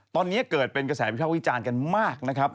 ตอนนี้เกิดเป็นกระแสพิพาคอีตจานกันมากนะครับ